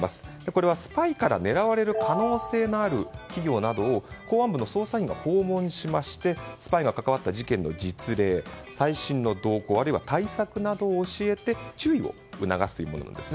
これはスパイから狙われる可能性のある企業などを公安部の捜査員が訪問しましてスパイが関わった事件の実例最新の動向あるいは対策などを教えて注意を促すというものです。